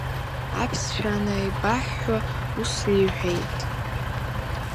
Аԥсшәа анааибаҳҳәа, ус иҳәеит…